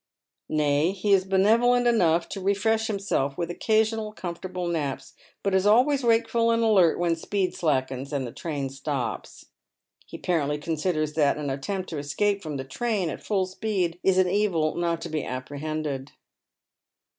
Nay, he is benevolent enough to refresli himself with occasional comfortable naps, but is always v/akelul and alert when speed slackens and the train stops. He ppparently considers that an attempt to escape fi om the train' at full speed is an evil not to be apprehended.